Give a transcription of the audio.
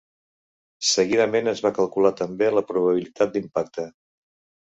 Seguidament es va calcular també la probabilitat d'impacte.